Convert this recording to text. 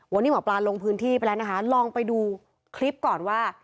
วันนี้หมอปลาลงพื้นที่ไปแล้วนะคะลองไปดูคลิปก่อนว่า